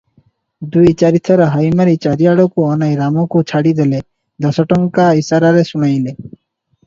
ଦୁଇ ଚାରିଥର ହାଇ ମାରି ଚାରିଆଡକୁ ଅନାଇ ରାମାକୁ ଛାଡିଦେଲେ ଦଶଟଙ୍କା ଇଶାରାରେ ଶୁଣାଇଲେ ।